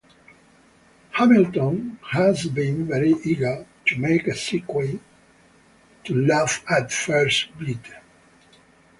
Hamilton has been very eager to make a sequel to "Love at First Bite".